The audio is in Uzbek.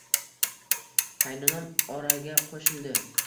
Qaynonam oraga qoʻshildi